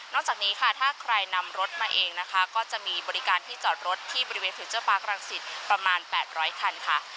จากนี้ค่ะถ้าใครนำรถมาเองนะคะก็จะมีบริการที่จอดรถที่บริเวณฟิวเจอร์ปาร์ครังสิตประมาณ๘๐๐คันค่ะ